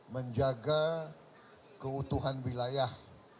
menjaga keutuhan wilayah